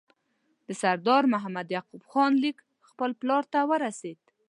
د سردار محمد یعقوب خان لیک خپل پلار ته ورسېد.